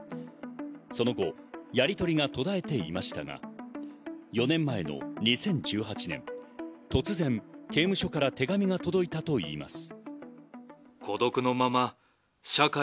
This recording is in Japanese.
その後やりとりが途絶えていましたが、４年前の２０１８年、突然、刑務所から手紙が届いたといいます。